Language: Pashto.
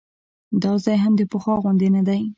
دا ځای هم د پخوا غوندې نه دی.